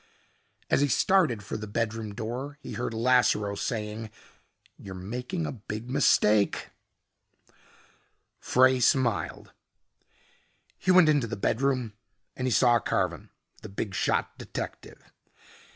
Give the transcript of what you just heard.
As he started for the bedroom door he heard Lasseroe saying, "You're making a big mistake " Frey smiled. He went into the bedroom and he saw Carven, the big shot detective.